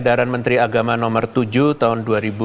edaran menteri agama nomor tujuh tahun dua ribu dua puluh